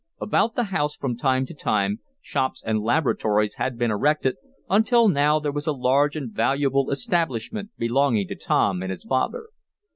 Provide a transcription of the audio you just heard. About the house, from time to time, shops and laboratories had been erected, until now there was a large and valuable establishment belonging to Tom and his father.